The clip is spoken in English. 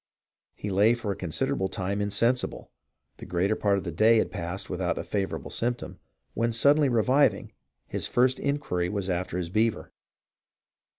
He lay for a considerable time insensible ; the greater part of the day had passed without a favourable symptom ; when, suddenly reviving, his first inquiry was after his beaver.